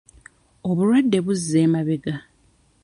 Obulwadde buzza emabega.